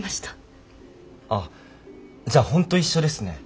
あっじゃあ本当一緒ですね。